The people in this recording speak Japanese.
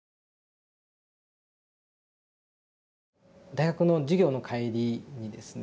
大学の授業の帰りにですね